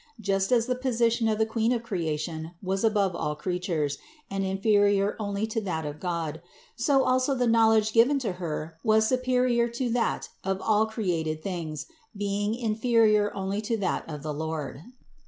Just as the position of THE INCARNATION 87 the Queen of creation was above all creatures and in ferior only to that of God, so also the knowledge given to Her was superior to that of all created things being inferior only to that of the Lord.